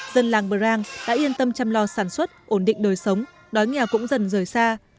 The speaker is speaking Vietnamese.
dân làng prang đã yên tâm chăm lo sản xuất ổn định đời sống đói nghèo cũng dần rời xa